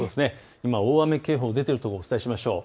今、大雨警報が出ているところ、お伝えしましょう。